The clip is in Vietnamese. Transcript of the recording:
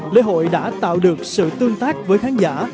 lễ hội đã tạo được sự tương tác với khán giả